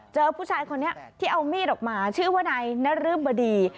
เจอผู้ชายคนนี้ที่เอามีดออกมาชื่อว่านายนรึบดี